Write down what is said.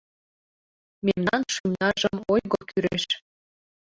Мемнан шӱмнажым ойго кӱреш.